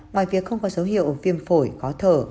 ngoài việc không có dấu hiệu viêm phổi khó thở